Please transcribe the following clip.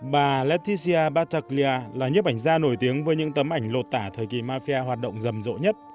bà lettisia bataglia là nhiếp ảnh gia nổi tiếng với những tấm ảnh lột tả thời kỳ mafia hoạt động rầm rộ nhất